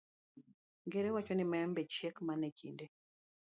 Ngero wacho ni maembe chiek mana e kindene.